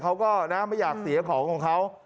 เขาก็นะไม่อยากเสียของของเขา